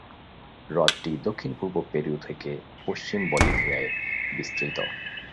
হ্রদটি দক্ষিণ-পূর্ব পেরু থেকে পশ্চিম বলিভিয়ায় বিস্তৃত।